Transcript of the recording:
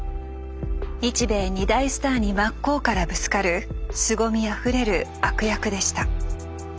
日米２大スターに真っ向からぶつかるすごみあふれる悪役でした。